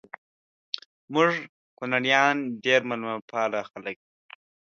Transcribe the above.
مونږ کونړیان ډیر میلمه پاله خلک یو